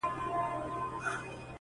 په دې هیله چي کامله مي ایمان سي,